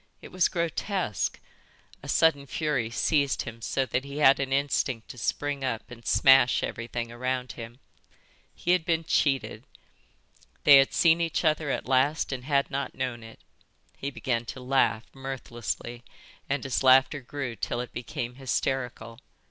It was grotesque. A sudden fury seized him so that he had an instinct to spring up and smash everything around him. He had been cheated. They had seen each other at last and had not known it. He began to laugh, mirthlessly, and his laughter grew till it became hysterical.